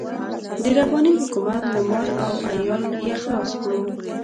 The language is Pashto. د رباني حکومت له مال او عيال يې خلاص کړو.